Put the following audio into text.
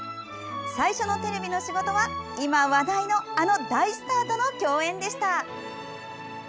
最初のテレビの仕事は、今話題のあの大スターとの共演でした。